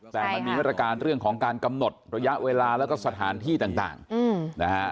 แต่มันมีมาตรการเรื่องของการกำหนดระยะเวลาแล้วก็สถานที่ต่างนะฮะ